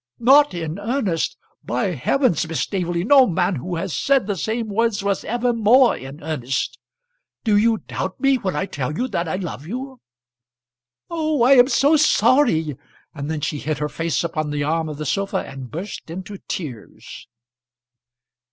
"Not in earnest! By heavens, Miss Staveley, no man who has said the same words was ever more in earnest. Do you doubt me when I tell you that I love you?" "Oh, I am so sorry!" And then she hid her face upon the arm of the sofa and burst into tears.